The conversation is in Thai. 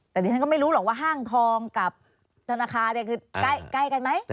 แต่ดิฉันก็ไม่รู้หรอกว่าห้างทองกับธนาคารเนี่ยคือใกล้กันไหม